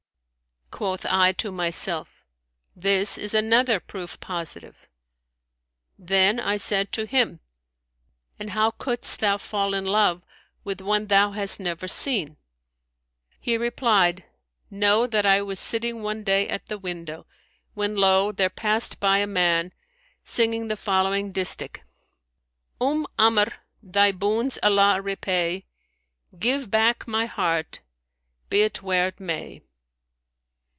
Quoth I to myself, This is another proof positive.' Then I said to him, And how couldst thou fall in love with one thou hast never seen?' He replied Know that I was sitting one day at the window, when lo! there passed by a man, singing the following distich, Umm Amr',[FN#169] thy boons Allah repay! * Give back my heart be't where it may!'"